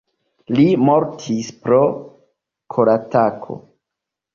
Li mortis pro koratako.